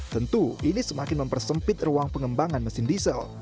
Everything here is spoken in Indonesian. tentu ini semakin mempersempit ruang pengembangan mesin diesel